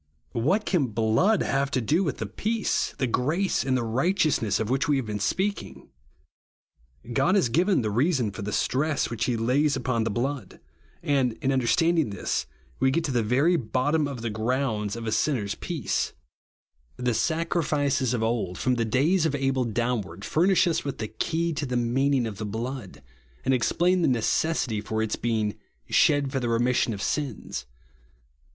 Whai: can hloocl have to do with the peace, the grace, and the righteousness of which we have been speaking ? God has given the reason for the stress which he lays upon the blood ; and, in understanding this, we get to the very bottom of the grounds of a sinner 8 peace. 52 THE BLOOD OF SPRINKLINJ. The sacrifices of old, from the days of Abel downward, furnish lis with ihi3 key to the meaning of the blood, and explain the necessity for its being "shed for the remission of sins."